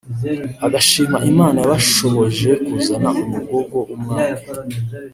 agashima Imana yabashoboje kuzana Umugogo w’Umwami